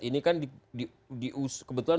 ini kan kebetulan